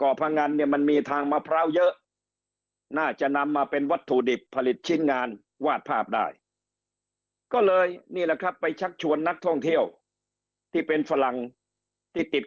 ก่อพงันเนี่ยมันมีทางมะพร้าวเยอะน่าจะนำมาเป็นวัตถุดิบผลิตชิ้นงานวาดภาพได้ก็เลยนี่แหละครับไปชักชวนนักท่องเที่ยวที่เป็นฝรั่งที่ติด